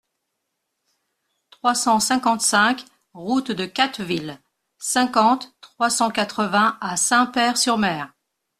trois cent cinquante-cinq route de Catteville, cinquante, trois cent quatre-vingts à Saint-Pair-sur-Mer